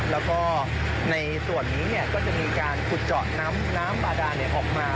แล้วก็ในส่วนนี้ก็จะมีการขุดเจาะน้ำบาดานออกมา